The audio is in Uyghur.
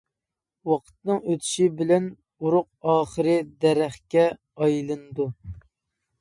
ۋاقىتنىڭ ئۆتىشى بىلەن ئۇرۇق ئاخىرى دەرەخكە ئايلىنىدۇ.